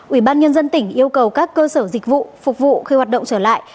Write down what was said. ủy ban nhân dân tỉnh yêu cầu các cơ sở dịch vụ phục vụ khi hoạt động trở lại